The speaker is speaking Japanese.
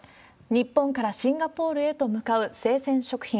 日本からシンガポールへと向かう生鮮食品。